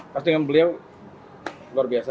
pasti dengan beliau luar biasa